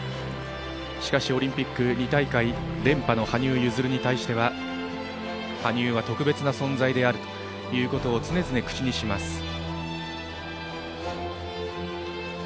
しかしオリンピック２大会連覇の羽生結弦に対しては羽生は特別な存在であると常々、口にします。